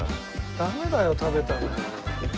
ダメだよ食べたら。